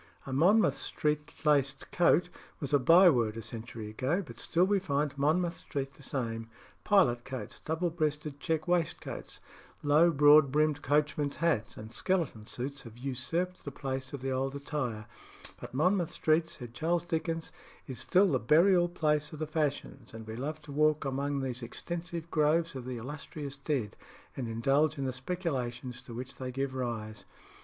"A Monmouth Street laced coat" was a byword a century ago, but still we find Monmouth Street the same. Pilot coats, double breasted check waistcoats, low broad brimmed coachmen's hats, and skeleton suits, have usurped the place of the old attire; but Monmouth Street, said Charles Dickens, is still "the burial place of the fashions, and we love to walk among these extensive groves of the illustrious dead, and indulge in the speculations to which they give rise."